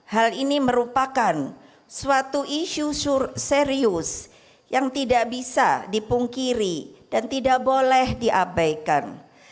hal ini merupakan suatu isu serius yang tidak bisa dipungkiri dan tidak boleh diabaikan